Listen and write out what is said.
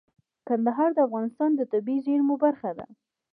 کندهار د افغانستان د طبیعي زیرمو برخه ده.